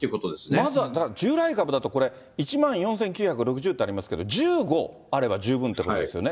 まずは従来株だと、これ、１万４９６０ってありますけど、１５あれば十分ってことですよね。